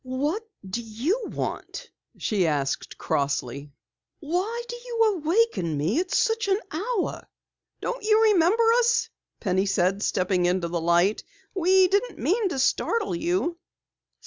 "What do you want?" she asked crossly. "Why do you awaken me at such an hour?" "Don't you remember us?" Penny said, stepping into the light. "We didn't mean to startle you."